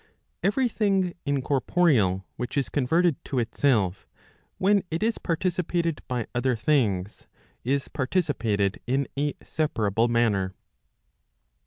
Every thing incorporeal', which is converted to itself, when it is parti¬ cipated by other things, is participated in a separable manner.